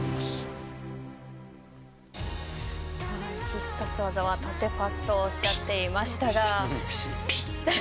必殺技は縦パスとおっしゃっていましたが。